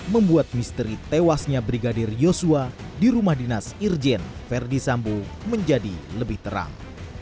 membuat misteri tewasnya brigadir yosua di rumah dinas irjen verdi sambo menjadi lebih terang